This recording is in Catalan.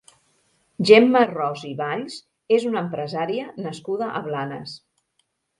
Gemma Ros i Valls és una empresària nascuda a Blanes.